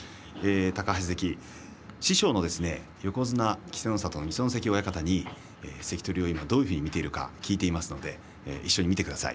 高橋関、師匠の横綱稀勢の里の二所ノ関親方に関取をどういうふうに見ているのか聞いています。